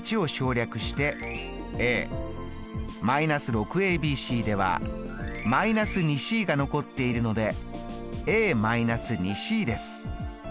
−６ｂｃでは−２ｃが残っているので−２ｃです。